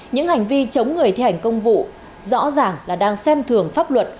những hành vi chống người thi hành công vụ rõ ràng là đang xem thường pháp luật